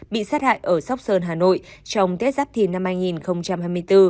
bị sát hại ở sóc sơn hà nội trong tết giáp thìn năm hai nghìn hai mươi bốn